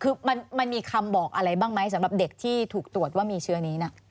คือมันมีคำบอกอะไรบ้างไหมสำหรับเด็กที่ถูกตรวจว่ามีเชื้อนี้นะ